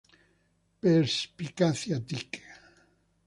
Perspicacia Tick.